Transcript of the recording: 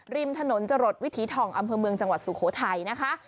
ริมถนนจรดวิถีทองอำเภอเมืองจังหวัดสุโขทัยนะคะ